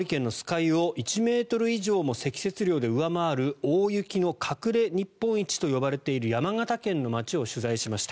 湯を１ｍ以上も積雪量で上回る大雪の隠れ日本一と呼ばれている山形県の町を取材しました。